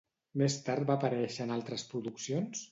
Més tard va aparèixer en altres produccions?